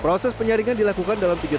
proses penyaringan dilakukan dalam tiga tahap